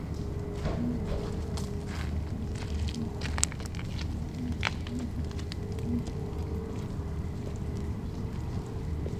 Vyama vya ushirika ya maendeleo ya Kongo ni kundi la kisiasa na kidini ambalo linadai linawakilisha maslahi ya kabila la walendu